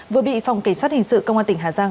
vừa bị phòng cảnh sát hình sự công an tỉnh hà giang